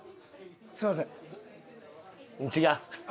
すいません。